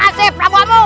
terima kasih prabu amuk